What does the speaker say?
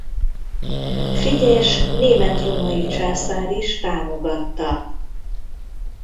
Frigyes német-római császár is támogatta.